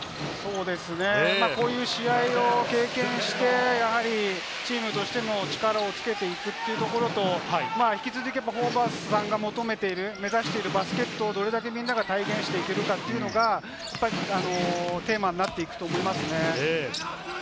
こういう試合を経験して、チームとしての力をつけていくというところと、引き続きホーバスさんが求めている、目指しているバスケをみんながどれだけ体現していけるかがテーマになると思います。